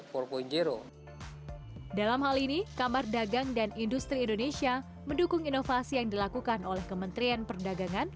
dalam hal ini kamar dagang dan industri indonesia mendukung inovasi yang dilakukan oleh kementerian perdagangan